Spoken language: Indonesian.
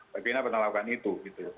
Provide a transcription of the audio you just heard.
pak pena pernah lakukan itu